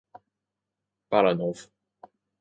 Baranov.